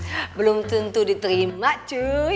hmm belum tentu diterima cuy